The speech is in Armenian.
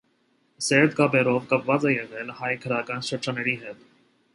Սերտ կապերով կապված է եղել հայ գրական շրջանների հետ։